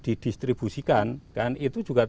didistribusikan itu juga